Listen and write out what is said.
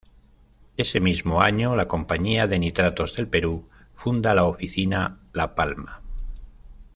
Ese mismo año, la "Compañía de Nitratos del Perú" funda la Oficina "La Palma".